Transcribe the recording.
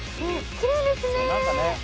きれいですね。